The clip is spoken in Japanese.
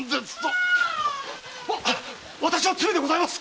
私の罪でございます。